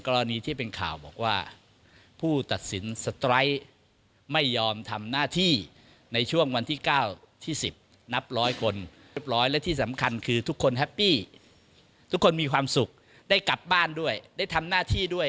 แล้วยังไม่ช่วยทำไรเอาอัทธิบายงานได้สำคัญคือทุกคนแฮปปี้ทุกคนมีความสุขได้กลับบ้านด้วยได้ทำหน้าที่ด้วย